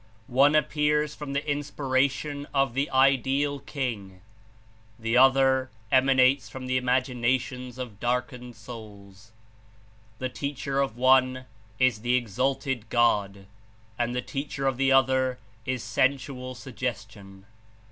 One appears from the Inspiration of the Ideal King; the other emanates from the Imaginations of darkened souls. The teacher of one Is the Exalted God, and the teacher of the other Is sensual suggestion.